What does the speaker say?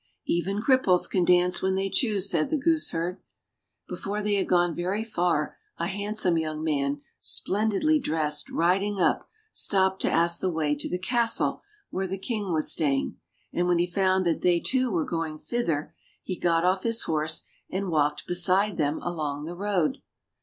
"Even cripples can dance when they choose," said the gooseherd. Before they had gone very far a handsome young man, splendidly dressed, riding up, stopped to ask the way to the castle where the King was staying, and when he found that they too were going thither, he got off his horse and walked beside them along the road.